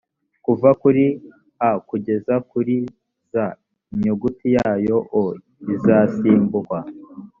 kuva kuri a kugeza kuri z inyuguti ya o izasimbukwa